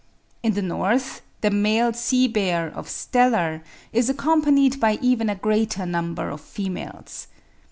In the North, the male sea bear of Steller is accompanied by even a greater number of females.